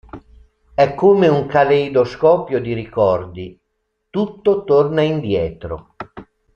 È come un caleidoscopio di ricordi; tutto torna indietro.